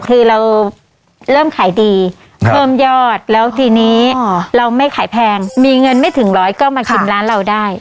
คือเราเริ่มขายดีเพิ่มยอดแล้วทีนี้เราไม่ขายแพงมีเงินไม่ถึงร้อยก็มากินร้านเราได้